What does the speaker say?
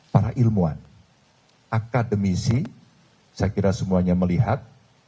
para ilmuwan akademisi saya kira semuanya melihat